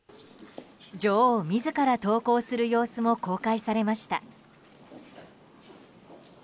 女王自ら投稿する様子も公開されました。